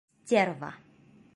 Стерва!..